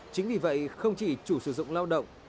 chính vì vậy không chỉ chủ sử dụng lao động